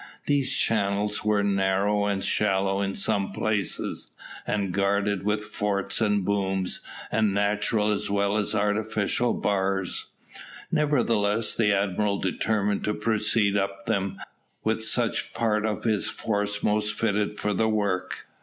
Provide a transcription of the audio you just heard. These channels were narrow and shallow in some places, and guarded with forts and booms, and natural as well as artificial bars. Nevertheless the admiral determined to proceed up them with such part of his force most fitted for the work.